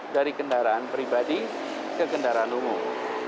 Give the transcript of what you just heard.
dari kendaraan pribadi ke kendaraan umum